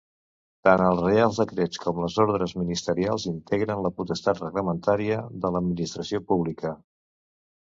Tant els reials decrets com les ordres ministerials integren la potestat reglamentària de l'administració pública.